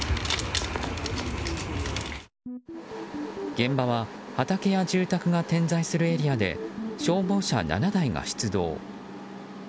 現場は畑や住宅が点在するエリアで消防車７台が出動。